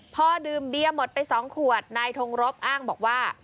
พอดื่มเบียร์หมดไป๒ขวดนายทงรบอ้างบอกว่า